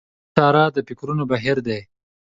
دا چاره د فکرونو بهير دی.